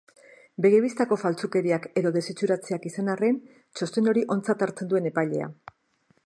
Begi-bistako faltsukeriak edo desitxuratzeak izan arren, txosten hori ontzat hartzen duen epailea.